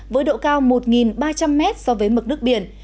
với độ cao một ba trăm linh m so với mực nước biển